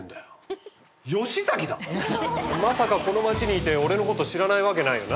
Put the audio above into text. まさかこの町にいて俺のこと知らないわけないよな？